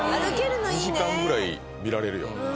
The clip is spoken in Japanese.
２時間ぐらい見られるよ。